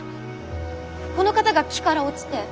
この方が木から落ちて。